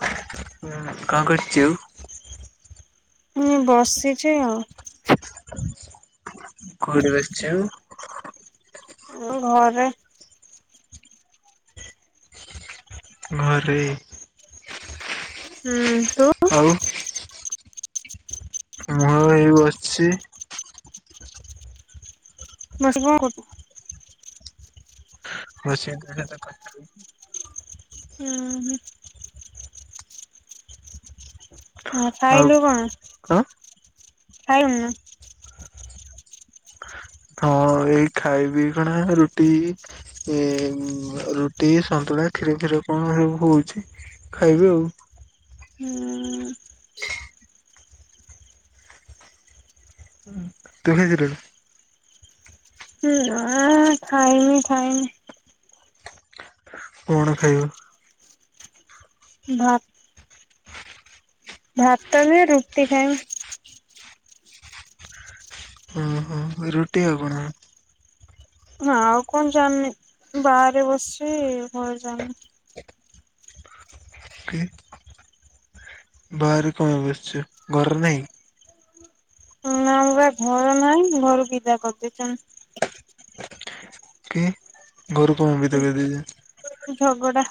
କିଣଙ୍କ କରୁଚୁ? ମୁଁ ବସିସିଛ ଆଉ। କୋଉଠି ବସିଛୁ? ଆମ ଘରେରେ। ଘରେ ହୁଁ। ତୁ ଆଉ। ଅଛି। ବସିକି କଣ କରୁଛୁ। ରଷେଇ [inaudible] ହୁଁ ହୁଁ। ନା ଆଉ ଖାଇଲୁ କଣ କଣ ଖାଇୁ ନା? ଏ ଖାଇବି କଣା ରୁଟି ଏ ରୁଟି ସନ୍ତୁଳା କ୍ଷୀର ଫିର କଣ। କଣ ସବୁ ହଉଛି ଖାଇବି ଆଉ। ହୁଁ ହୁଁ। ତୁ ଖାଇଥିଲୁ? ଖାଇମି ଖାଇମି। କଣ ଖାଇବୁ। ଭାତ ଭାତ ବି ରୁଟି ଖାଇବମି। ଓ ହୋ ରୁଟି ଆଉକଣ? ଆଉ କଣ ଯାନି ବାହାରେ ବସିଛି ଘ ଯା କି ବାାରେ କଣ ପାଇଁ ବସିଚୁ ଘର ନାଇ? ହିଁ ଆମରପା ଘର ନାଇଁ ଘରୁ ବିଦା କରିଦେଛନ। କି ଘରୁ କଣ ବିଦା କରି ଦେଇଚନ୍ତି? ଝଗଡ଼ା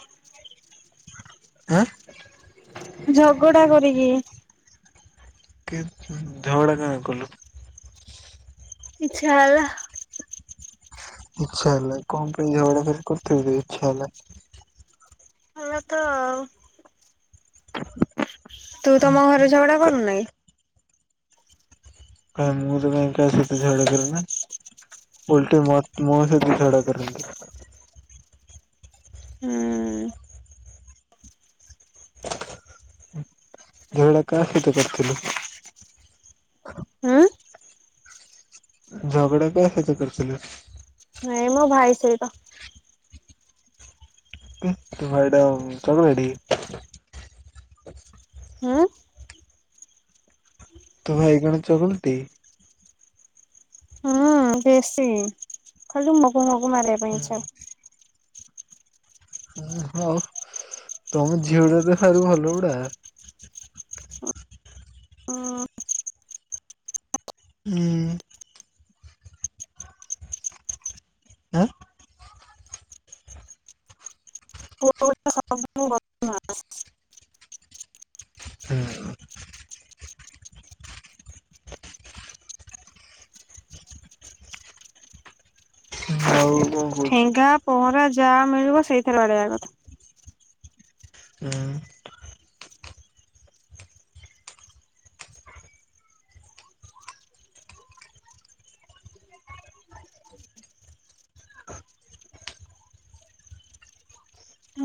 ଆଁ? ଝଗଡ଼ା କରିକି କି ଝଗଡ଼ା କାଇଁ କଲୁ? ଇଚ୍ଛା ହେଲା। ଇଛା ହେଲା କଣ ପାଇଁ ଝାଗଡ଼ା କାଇଁ କରଥିଲୁକି ଇଛା ହେଲା। ହେଲା ତ ଆଉ ତୁ ତମ ଘରେ ଝଗଡା କରୁନା କି? କାଇଁ ମୁଁ ତ କାଇଁ କାହା ସଇତ ଝଗଡା କରେ ନା। ଓଲଟି ମୋ ମୋହିତ ସହିତ ଝଗଡା କରନ୍ତି। ହୁଁ ଝଗଡା କା ସହିତ କରିଥିଲୁ? ହୁଁ ଝଗଡ଼ା କା ସଇତ କରିଥିଲୁ? ନାଇଁ ମୋ ଭାଇ ସହିତ [unintelligible] ହୁଁ। ତୋ ଭାଇ କଣ ଚଗୁଲ ଟେ କି? ହଁ ବେଶୀ ଖାଲି ମୁହଁ କୁ ମୁହଁ କୁ ମାରିବା ପାଇଁ ଇଛା ଏ ହଉ ତମ ଝିଅ ଗୁଡା ତ ସାରୁ ଭଲ ଗୁଡା ହୁଁ। ହୁଁ। ଆଁ। [unintelligible] ହୋଉ ଠେଙ୍ଗା ପହଁରା ଯାହା ମିଳିବ ସେଇଥିର ବାଡେଇବା କଥା ହୁଁ।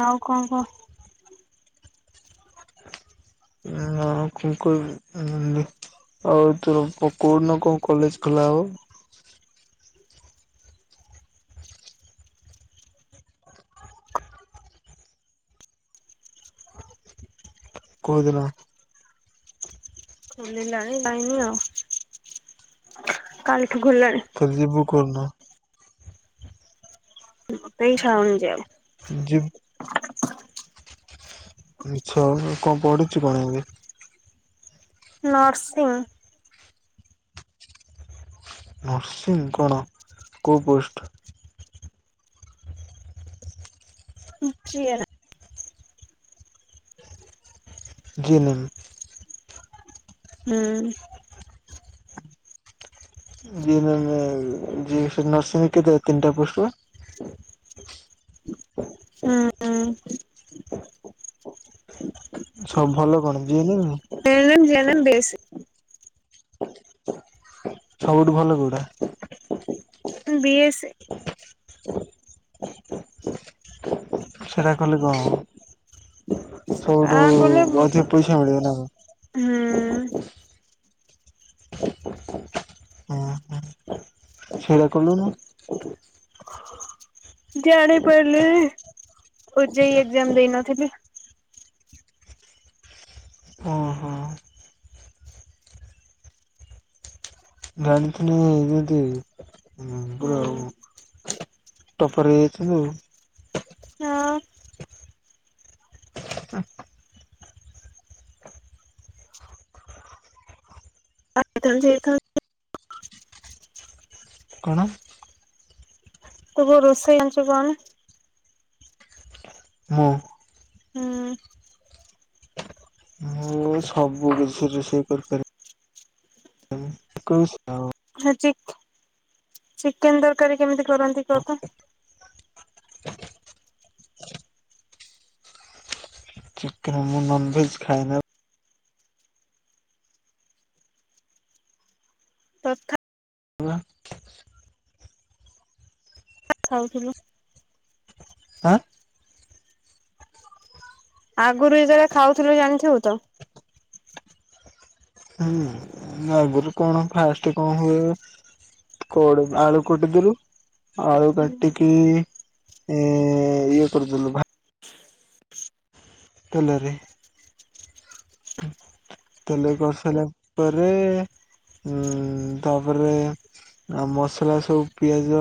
ଆଉ କଣ କହ ଆଉ କଣ କହିବି [unintelligible] ଆଉ ତୋର କୋ କୋଉଦିନ କଣ କଲେଜ ଖୋଲା ହବ? କୋଉଦିନ? ଖୋଲିଲାଣି ଯାଇନି ଆଉ କାଲିଠୁ ଖୋଲିଲାଣି ଫେରେ ଯିବୁ କୋଉଦିନ? ଏଇ ଇଚ୍ଛା ହଉନି ଯିବାକୁ ଜୀବ ଇଚ୍ଛା ହଉନି କଣ ପଢୁଚୁ କଣ ଏବେ? ନର୍ସିଂ ନର୍ସିଙ୍ଗ କଣ କୋଉ ପୋଷ୍ଟ? ଯିଏନା ଜିନିମ ହୁଁ। ଜେ ନେମ ଜି ଏ ନର୍ସିଙ୍ଗ କେତେ ତିନିଟା ପୋଷ୍ଟ ବା? ହୁଁ। ସବୁ ଭଲ କଣ ଯି ଏ ନେ M? A N M G N M best. ସବୁଠୁ ଭଲ କୋଉଟା? ବି ଏସ୍ ସେରା କଲେ କଣ ହବ ସେଟା ସବଠୁ କଲେ ହୁଁ ଅଧିକ ପଇସା ମିଳିବ ନା କଣ ହୁଁ। ସେଇରା କଲୁନୁ ଜାଣି ପାରିଲିନି ଓଯେଇ ଏଗ୍ଜାମ୍ ଦେଇ ନଥିଲି। ଓହୋ ଜାଣିଥିଲେ ଦେ ଦେଇ ହୁଁ। ଟପର ହେଇ ଯାଇଥିଲୁ। ହଁ। [unintelligible] କଣ? ତୁ କୋଉ ରୋଷେଇ ଜଣିଛୁ କଣ? ମୁଁ ହୁଁ। ମୁଁ ସବୁ ରୁଷେଇ ରୁଷେଇ କରି କରି କଣ ସଉ ଚିକେନ ତରକାରୀ କେମିତି କରନ୍ତି କହ ତ? ଚିକେନ ମୁଁ ନନ୍ଭେଜ୍ ଖାଏନା। ତଥା ଖାଉଥିଲୁ। ଆଁ ଆଗରୁ ଏତବେଳେ ଖାଉଥିଲୁ ଜାଣିଥିବୁ ତ ହୁଁ ଆଗରୁ କଣ ଫାଷ୍ଟ କଣ ହୁଏ କୋ ଆଳୁ କଟିଦିଲୁ ଆଳୁ କାଟିକି ଇଏ କରିଦେଲୁ ଭା ତେଲରେ ତେଲଇ କରିସାରିଲା ପରେ ଉଁ ତାପରେ ମସଲା ସବୁ ପିଆଜ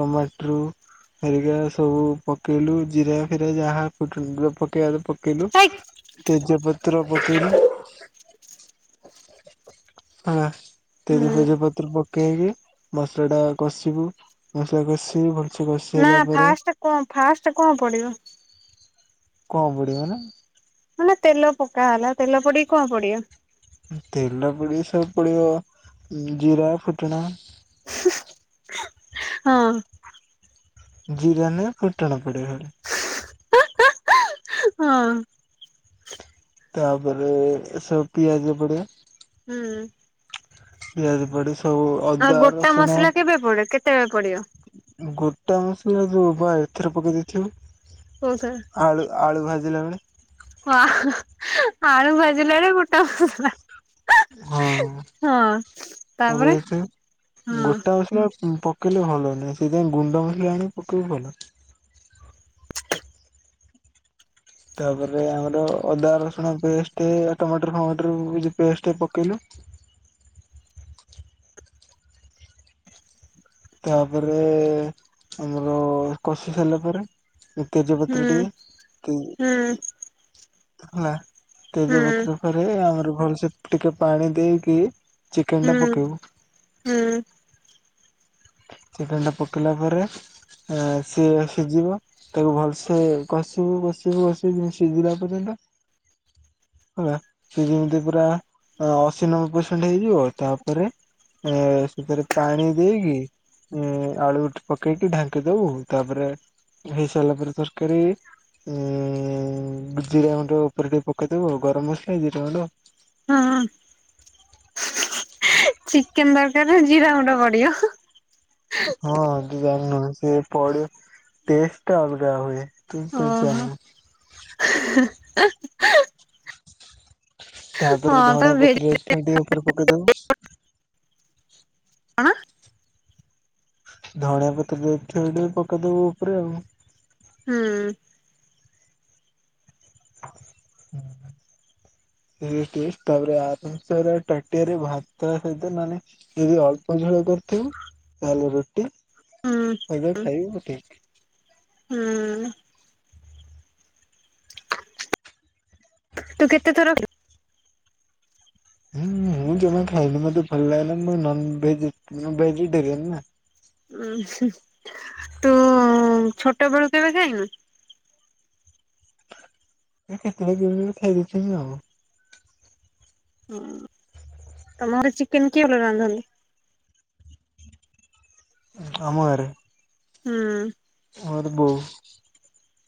ଟମାଟ୍ରୋ ହେରିକା ସବୁ ପକେଇଲୁ ଜିରା ଫିରା ଯାହା ଫୁଟେଇବା ପକେଇଲୁ ହେଇ ତେଜପତ୍ର ପକେଇଲୁ। ହଁ ହୁଁ ତଜେପେଜ ପତ୍ର ପ ପକେଇକି ମସଲା ଟା କଷିବୁ ମସଲା କଷିବି ଭଲ ନା ଫାଷ୍ଟ କଣ ଫାଷ୍ଟ କଣ ପଡିବ? କଣ ପୁଡିବ ମାନେ ତେଲ ପକା ହେଲା ତେଲ ପଡିକି କଣ ପଡିବ? ତେଲ ପଡି ସବୁ ପଡିବ ଜିରା ଫୁଟଣା ହଁ ଜିରା ନାଇଁ ଫୁଟଣ ପଡିବ ଖାଲି। ହଁ ତାପରେ ଏ ସବୁ ପିଆଜ ପଡିବ। ହୁଁ ପିଆଜ ପଡି ସବୁ ଆଉ ଅଦା ଗୋଟା ରସୁଣ ମସଲା କେବେ ପଡିବ କେତେବେଳେ ପଡିବ? ଗୋଟା ମସଲା ଯୋଉ ବା ଏଥିରେ ପକେଇ ଦେଇଥିବ। ଆଳୁ ଆଳୁ ଭାଜିଲା ବେଳେ ଓ ଆଳୁ ଭାଜିଲା ବେଳକୁ ଗୋଟା ମସଲା। ହଁ ହଁ ତାପରେ ପକେଇ ଦେଇଥିବୁ ହଁ ଗୋଟା ଅଛି ନା ପ ପକେଇଲେ ଭଲ ନାହିଁ ସେଇଥିପାଇଁ ଗୁଣ୍ଡ ମସଲା ଆଣିକି ପକେଇବ ଭଲ। ତାପରେ ଆମର ଅଦା ରସୁଣ ପେଷ୍ଟ ଟମାଟର ଫମାଟର ପେଷ୍ଟ ପକେଇଲୁ ତାପରେ ଆମର କଷି ସାରିଲା ପରେ ହୁଁ ତେଜପତ୍ରଟି କି ହୁଁ ହେଲା ହୁଁ ତେଜପତ୍ର ପରେ ଆଉରି ଭଲସେ ଟିକେ ପାଣି ଦେଇକି ଚିକେନ୍ ଟା ହୁଁ ପକେଇବୁ। ହୁଁ ଚିକେନ୍ ଟା ପକେଇିଲା ପରେ ଆ ସିଏ ସିଝିବ ତାକୁ ଭଲସେ କଷିବୁ କଷିବୁ କଷିବୁ ସିଝିଲା ପର୍ଯ୍ୟନ୍ତ। ହେଲା ସେ ଯେମିତି ପୁରା ଅଶୀ ନବେ ପରସେଣ୍ଟ ହେଇଯିବ ତାପରେ ଏ ସେଥିରେ ପାଣି ଦେଇକି ଉଁ ଆଳୁ ଠ ପକେଇକି ଢାଙ୍କି ଦବୁ ତାପରେ ହେଇ ସାରିଲା ପରେ ତରକାରୀ ଉଁ ଜିରା ଗୁଣ୍ଡ ଉପରେ ଟିକେ ପକେଇଦବୁ ଗରମ ମସଲା ଜିରା ଗୁଣ୍ଡ ହୁଁ। ଚିକେନ ତରକାରୀ ରେ ଜିରା ଗୁଣ୍ଡ ପଡିବ। ହଁ ତୁ ଜାଣିନୁ ବେ ସେ‌ ପଡେ ଟେଷ୍ଟ ଟା ଅଲଗା ହୁଏ। ତୁ ତୁ ଯା ଓହୋ। [unintelligible] [unintelligible] ତାପରେ ହଁ ଧଣିଆ ତମେ ଭେଜ ପତ୍ରରେ [unintelligible] ଉପରେ ପକେଇ ଦବୁ। କଣ? ଧଣିଆ ପତ୍ର ଯଦି ଥିବ ଟିକେ ପକେଇଦବୁ ଉପରେ ଆଉ ହୁଁ। [inaudible] [unintelligible] ତାପରେ ଆରାମ ସେ ପୁରା ଟାଟିଆରେ ଭାତ ସହିତ ନହେଲେ ଯଦି ଅଳ୍ପ ଝୋଳ କ କରିଥିବ ତାହେଲେ ରୁଟି ହୁଁ ହେବେ ଖାଇବ ଉଠିବୁ। ହୁଁ ତୁ କେତେ ଥର ହୁଁ ମୁଁ ଜମା ଖାଏନି ମତେ ଭଲ ଲାଗେନା ମୁଁ ନନ୍ଭେଜ୍ ମୁଁ ଭେଜିଟରିଆନ୍ ନା। ଉଁ ହୁଁ ତୁ ଛୋଟ ବେଳୁ କେବେ ଖାଇନୁ? ଏ କେତେବେଳେ କେମିତି ଗୋଟେ ଖାଇଦଉଥିବି ଆଉ। ହୁଁ ତମ ଘର ଚିକେନ କିଏ ଭଲ ରାନ୍ଧନ୍ତି। ଆମ ଘରେ ହୁଁ। ମୋର ବୋଉ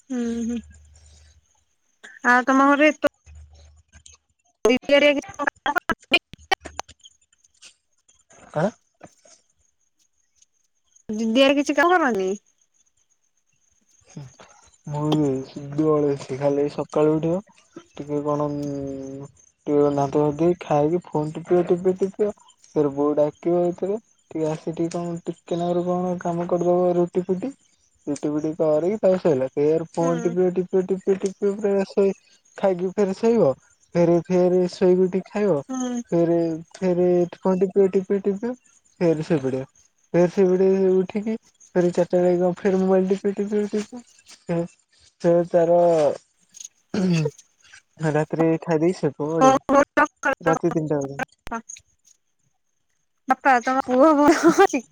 ହୁଁ ହୁଁ ଆଉ ତମ ଘରେ ଏତ [inaudible] ଆଁ? ଦିଦିଆରେ କିଛି [unintelligible] ହୁଁ। ମୁଁ ବି ସୁଦୁ ଅଳସେଇ ଖାଲି ଏଇ ସକାଳୁ ଉଠିବ ଟିକେ କଣ ଉଁ ଟୁ ଦାନ୍ତ ଘଷିଦେଇ ଖାଇକି ଫୋନ୍ ଟିପିବ ଟିପିବ ଟିପିବ ତାରେ ବୋଉ ଡାକିବ ଏତୋଳେ ଟିଏ ଆ ହେଠି କଁ ଟିକେ ନାକୁରୁ କଣ କାମ କରିଦବ ରୁଟି ଫୁଟି ରୁଟି ଫୁଟି କରିକି ତାପରେ ସଇଲା, ଫେର୍ ଫୋନ୍ ହୁଁ ଟିପିବ ଟିପିବ ଟିପିବ ଟିପିବ ପୁରା ଶୋ ଖାଇକି ଫେରେ ଶୋଇବ। ଫେରେ ଫେରେ ଶୋଇକି ଉଠିକି ଖାଇବ। ହୁଁ ଫେରେ ଫେରେ ଫୋନ ଟିପିବ ଟିପିବ ଟିପିବ ଫେରେ ଶୋଇପଡ଼ିବ। ଫେର ଶୋଇପଡ଼ିବି ଉଠିକି ଫେର ଚାରିଟା ବେଳେ [unintelligible] ଫେର ମୋବାଇଲ୍ ଦେ [unintelligible] ତାର ରାତିରେ ଖାଇ ଦେଇ ଶୋଇପଡ଼ିବୁ। ରାତି ତିନିଟା ବୋଧେ ବାପା ତମ ପୁଅ ଭଲ ଅଛି।